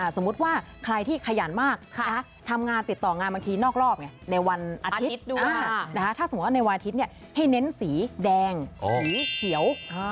สมมุติว่าใครที่ขยันมากทำงานติดต่องานบางทีนอกรอบในวันอาทิตย์ถ้าสมมุติว่าในวันอาทิตย์ให้เน้นสีแดงสีเขียว